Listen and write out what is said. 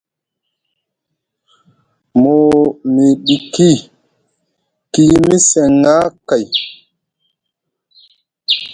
Mu miɗiki, ki yimi seŋŋa kay.